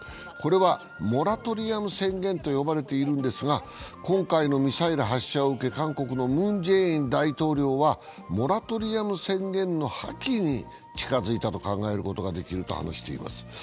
これはモラトリアム宣言と呼ばれているんですが、今回のミサイル発射を受け韓国のムン・ジェイン大統領はモラトリアム宣言の破棄に近づいたと考えることができると話しています。